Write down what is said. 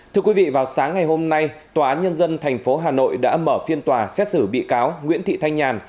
thưa quý vị vào sáng ngày hôm nay tòa án nhân dân tp hà nội đã mở phiên tòa xét xử bị cáo nguyễn thị thanh nhàn